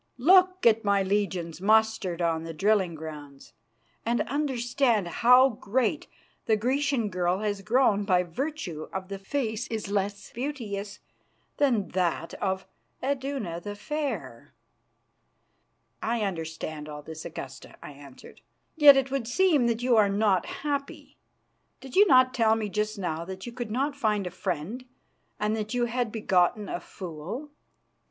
Look at my legions mustered on the drilling grounds, and understand how great the Grecian girl has grown by virtue of the face which is less beauteous than that of Iduna the Fair!" "I understand all this, Augusta," I answered. "Yet it would seem that you are not happy. Did you not tell me just now that you could not find a friend and that you had begotten a fool?"